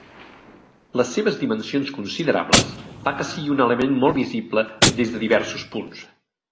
Les seves dimensions considerables fa que sigui un element molt visible des de diversos punts.